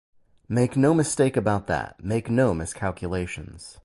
Make no mistake about that; make no miscalculations.